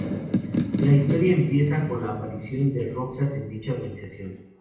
La historia empieza con la aparición de Roxas en dicha organización.